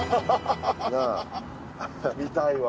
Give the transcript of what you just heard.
見たいわ。